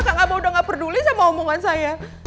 kang abah udah gak peduli sama omongan saya